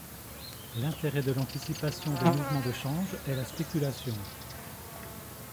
L'intérêt de l'anticipation des mouvements de change est la spéculation.